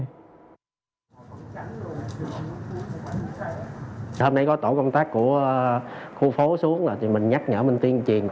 hôm nay có tổ công tác của khu phố xuống rồi thì mình nhắc nhở mình tiên truyền